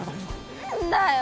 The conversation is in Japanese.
何だよ！？